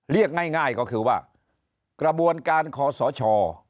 เรียกง่ายก็คือว่ากระบวนการคอสช